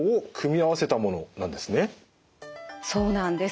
そうなんです。